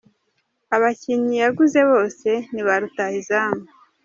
Abakinnyi yaguze bose ni ba rutahizamu.